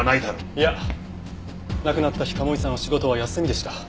いや亡くなった日賀茂井さんは仕事は休みでした。